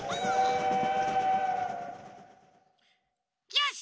よし！